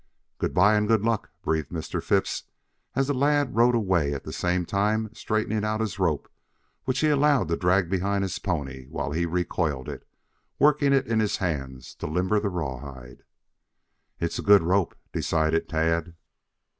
"Good bye and good luck," breathed Mr. Phipps, as the lad rode away at the same time straightening out his rope which he allowed to drag behind his pony while he recoiled it, working it in his hands to limber the rawhide. "It's a good rope," decided Tad.